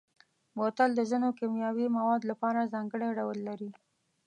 بوتل د ځینو کیمیاوي موادو لپاره ځانګړی ډول لري.